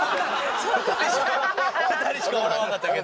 ２人しか笑わんかったけど。